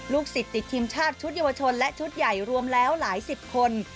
สิทธิ์ติดทีมชาติชุดเยาวชนและชุดใหญ่รวมแล้วหลายสิบคน